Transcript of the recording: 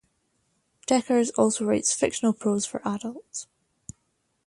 Dekkers also writes fictional prose for adults.